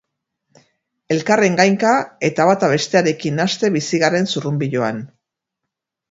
Elkarren gainka eta bata bestearekin nahaste bizi garen zurrunbiloan.